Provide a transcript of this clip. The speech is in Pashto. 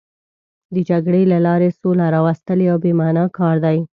د جګړې له لارې سوله راوستل یو بې معنا کار دی.